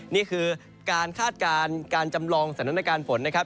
นี่คือการคาดการณ์การจำลองสถานการณ์ฝนนะครับ